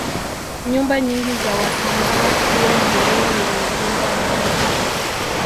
Nyumba nyingi za wasambaa huwa mviringo yenye vyumba vitatu